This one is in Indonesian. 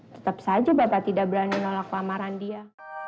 tetap saja bapak tidak berani nolak lamaran dia